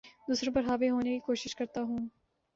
دوسروں پر حاوی ہونے کی کوشش کرتا ہوں